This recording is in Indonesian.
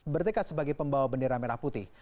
bertekad sebagai pembawa bendera merah putih